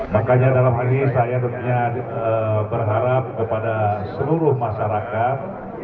makanya dalam hal ini saya tentunya berharap kepada seluruh masyarakat